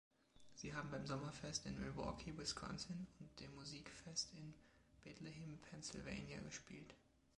Sie haben beim Sommerfest in Milwaukee, Wisconsin und dem Musikfest in Bethlehem, Pennsylvania gespielt.